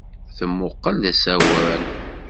Temmuqqel d asawen.